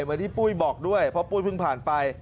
เหมือนที่ปุ้ยบอกด้วยเพราะปุ้ยเพิ่งผ่านไป